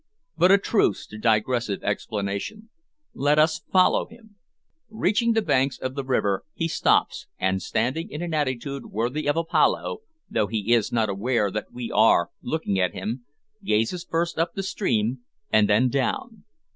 But a truce to digressive explanation. Let us follow him. Reaching the banks of the river, he stops, and, standing in an attitude worthy of Apollo, though he is not aware that we are looking at him, gazes first up the stream and then down.